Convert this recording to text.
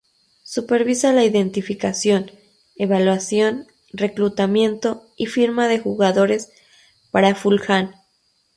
Supervisa la identificación, evaluación, reclutamiento y firma de jugadores para Fulham.